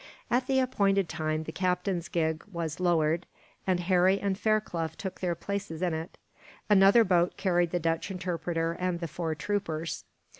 At the appointed time, the captain's gig was lowered, and Harry and Fairclough took their places in it. Another boat carried the Dutch interpreter and the four troopers.